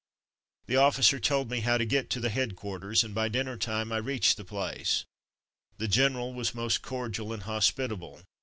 The officer told me how to get to the head quarters, and by dinner time I reached the place. The general was most cordial and hospitable.